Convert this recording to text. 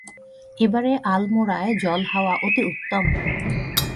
এবারে আলমোড়ায় জলহাওয়া অতি উত্তম।